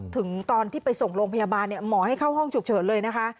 ถึงตอนที่ไปส่งโรงพยาบาลหมอให้เข้าห้องฉุกเฉินเลยนะคะ